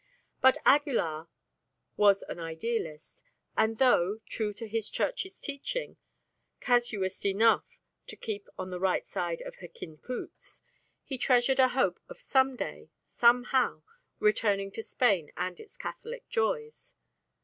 But Aguilar was an idealist, and though, true to his Church's teaching, casuist enough to keep on the right side of Hkin Cutz, he treasured a hope of some day, somehow, returning to Spain and its Catholic joys.